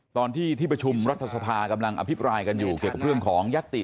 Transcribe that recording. ตอนที่ที่ประชุมรัฐสภากำลังอภิปรายกันอยู่เกี่ยวกับเรื่องของยัตติ